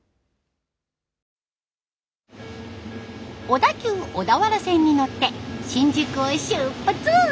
小田急小田原線に乗って新宿を出発。